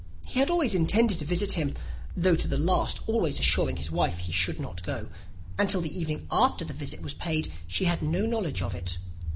He had always intended to visit him, though to the last always assuring his wife that he should not go; and till the evening after the visit was paid she had no knowledge of it.